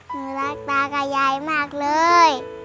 หนูรักตากับยายมากเลย